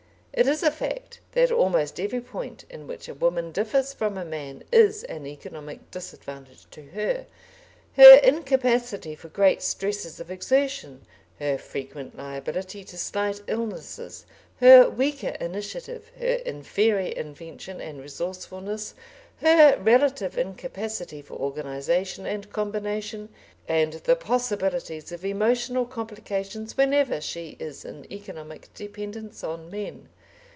It is a fact that almost every point in which a woman differs from a man is an economic disadvantage to her, her incapacity for great stresses of exertion, her frequent liability to slight illnesses, her weaker initiative, her inferior invention and resourcefulness, her relative incapacity for organisation and combination, and the possibilities of emotional complications whenever she is in economic dependence on men.